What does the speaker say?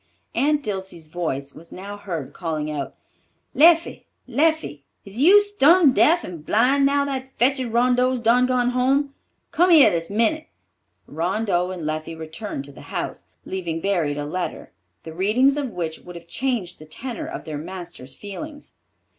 Aunt Dilsey's voice was now heard calling out, "Leffie, Leffie, is you stun deaf and blind now that fetched Rondeau's done gone home? Come here this minute!" Rondeau and Leffie returned to the house, leaving buried a letter, the reading of which would have changed the tenor of their master's feelings.